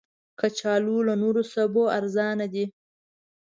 کچالو له نورو سبو ارزانه دي